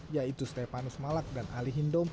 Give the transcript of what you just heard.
yaitu stepanus malak dan ali hindom